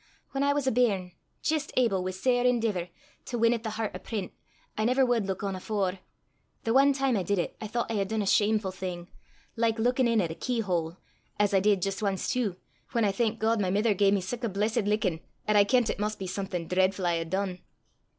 Whan I was a bairn, jist able, wi' sair endeevour, to win at the hert o' print, I never wad luik on afore! The ae time I did it, I thoucht I had dune a shamefu' thing, like luikin' in at a keyhole as I did jist ance tu, whan I thank God my mither gae me sic a blessed lickin' 'at I kent it maun be something dreidfu' I had dune.